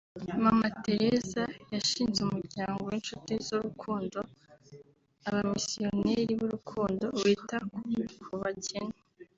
Mama Tereza yashinze umuryango w’inshuti z’urukundo (abamisiyoneri b’Urukundo) wita ku bakene